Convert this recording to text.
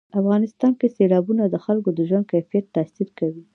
افغانستان کې سیلابونه د خلکو د ژوند کیفیت تاثیر کوي.